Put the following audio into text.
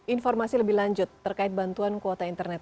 informasi lebih lanjut terkait bantuan kuota internet